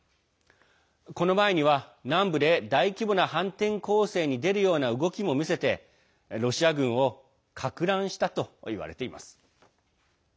この前には、南部で大規模な反転攻勢に出るような動きも見せてロシア軍をかく乱したといわれています。